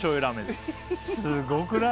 すごくない？